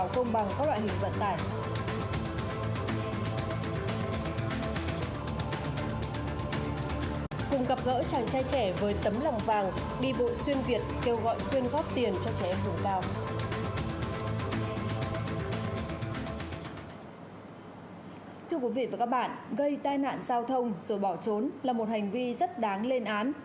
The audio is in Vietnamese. thưa quý vị và các bạn gây tai nạn giao thông rồi bỏ trốn là một hành vi rất đáng lên án